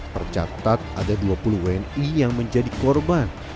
tercatat ada dua puluh wni yang menjadi korban